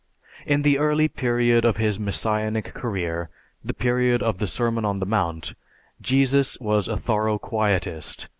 In the early period of his messianic career, the period of the Sermon on the Mount, Jesus was a thorough quietist.